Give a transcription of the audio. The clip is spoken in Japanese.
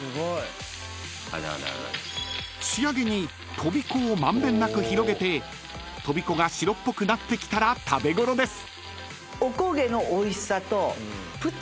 ［仕上げにとびこを満遍なく広げてとびこが白っぽくなってきたら食べごろです］